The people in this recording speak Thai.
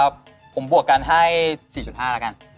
ผมบวกกันให้สี่จุดห้าละกัน